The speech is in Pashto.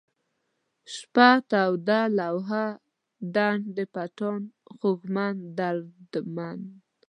شپه ، توده ، لوحه ، ډنډ پټان ، خوږمن ، دردمن